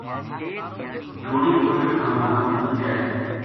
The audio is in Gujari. تھوڑی کوشش کروں مت کھل جائے